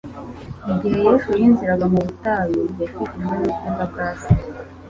Igihe Yesu yinjiraga mu butayu yakikijwe n'ubwiza bwa Se.